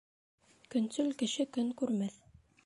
Көнсөл кеше көн күрмәҫ.